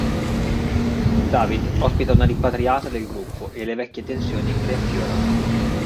David ospita una rimpatriata del gruppo e le vecchie tensioni riaffiorano.